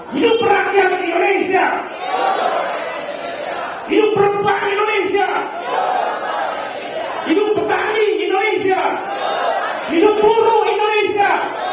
hidup orang yang indonesia